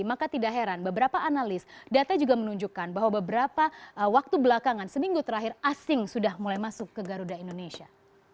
maka tidak heran beberapa analis data juga menunjukkan bahwa beberapa waktu belakangan seminggu terakhir asing sudah mulai masuk ke garuda indonesia